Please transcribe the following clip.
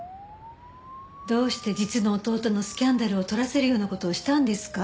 どうして実の弟のスキャンダルを撮らせるような事をしたんですか？